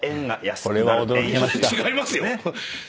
「それ違いますよ。